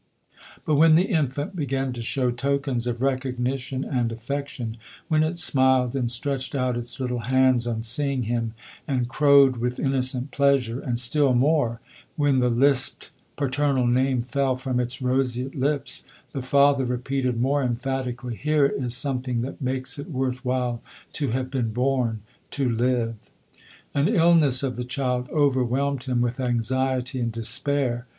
But when the infant began to show tokens of recognition and affection, when it smiled and stretched out its little hands on seeing him, and crowed with innocent pleasure ; and still more, when the lisped paternal name fell from its roseate lips — the father repeated more empha tically, " Here is something that makes it g 5 130 LODORE. worth while to have been born — to live !" An illness of the child overwhelmed him with anxiety and despair.